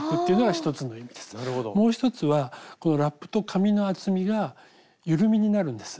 もう１つはこのラップと紙の厚みが緩みになるんです。